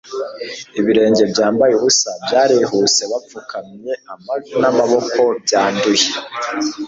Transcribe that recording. Ibirenge byambaye ubusa byarihuseBapfukamye amavi n'amaboko byanduye